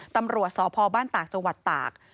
ตำรวจสพบ้านตากจตาก